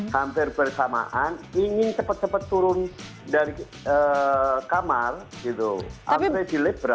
hampir bersamaan ingin cepat cepat turun dari kamar gitu